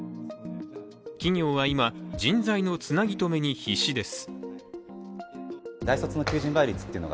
企業は今、人材のつなぎとめに必死です。